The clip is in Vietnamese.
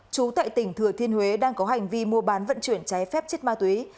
chú tại tỉnh thừa thiên huế đang có hành vi mua bán vận chuyển trái phép chất ma túy